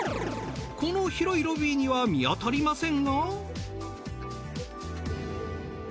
この広いロビーには見当たりませんが。